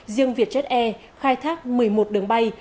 riêng vietjet air khai thác một mươi một đường bay